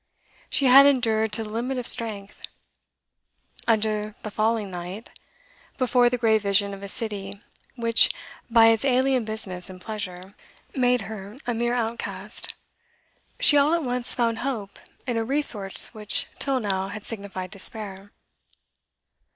She had endured to the limit of strength. Under the falling night, before the grey vision of a city which, by its alien business and pleasure, made her a mere outcast, she all at once found hope in a resource which till now had signified despair.